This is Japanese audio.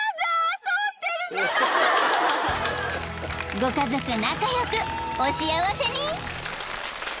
［ご家族仲良くお幸せに］